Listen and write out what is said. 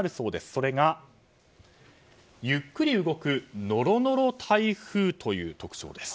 それが、ゆっくり動くノロノロ台風という特徴です。